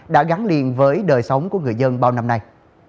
đã gắn liền với đời sống của người dân bao năm nay